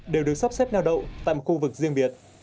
đều được sắp xếp neo đậu tại một khu vực riêng biệt